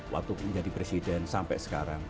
waktu menjadi presiden sampai sekarang